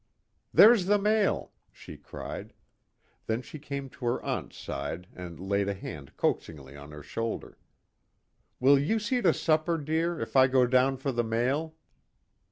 "There's the mail," she cried. Then she came to her aunt's side and laid a hand coaxingly on her shoulder. "Will you see to supper, dear, if I go down for the mail?"